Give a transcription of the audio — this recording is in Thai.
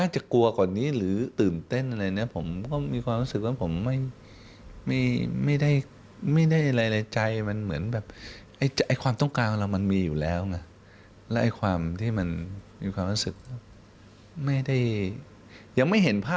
จริงก็ตื่นเต้นแทนคุณพ่อนะ